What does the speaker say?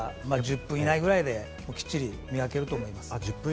ですから１０分ぐらい以内できっちり磨けると思います。